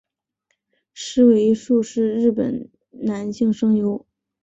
矢尾一树是日本男性声优。